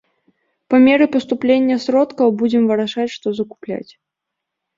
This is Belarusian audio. Па меры паступлення сродкаў будзем вырашаць, што закупляць.